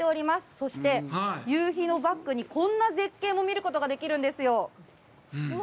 そして夕日をバックにこんな絶景も見ることができるんですよ。